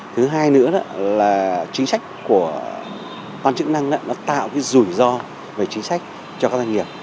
thứ hai nữa là chính sách của quan chức năng nó tạo cái rủi ro về chính sách cho các doanh nghiệp